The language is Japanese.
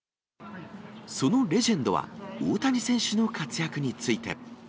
そのレジェンドは、大谷選手の活躍について。